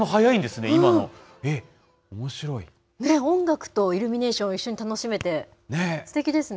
ね、音楽とイルミネーションを一緒に楽しめて、すてきですね。